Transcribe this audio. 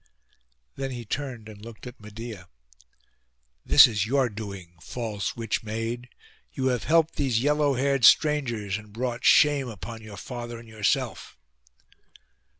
Then he turned and looked at Medeia. 'This is your doing, false witch maid! You have helped these yellow haired strangers, and brought shame upon your father and yourself!